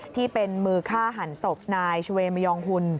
ที่เป็นมือฆ่าหันศพนายชเวมยองหุ่น